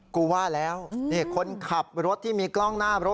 กูว่าแล้วนี่คนขับรถที่มีกล้องหน้ารถ